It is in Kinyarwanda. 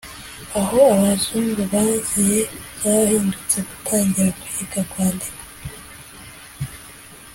Aho abazungu baziye byarahindutse dutangira kwiga kwandika,